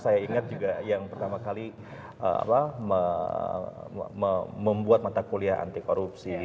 saya ingat juga yang pertama kali membuat mata kuliah anti korupsi